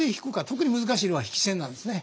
特に難しいのは引き戦なんですね。